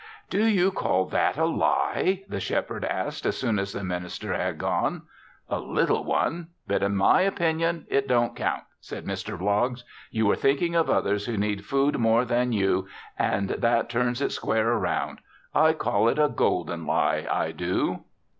"Do you call that a lie?" the Shepherd asked as soon as the minister had gone. "A little one! But in my opinion it don't count," said Mr. Bloggs. "You were thinking of those who need food more than you and that turns it square around. I call it a golden lie I do."